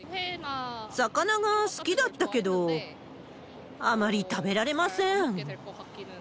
魚が好きだったけど、あまり食べられません。